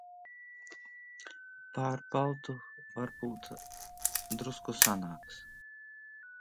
Sevišķi jau sajūsmina skats, braucot cauri Urālu kalniem.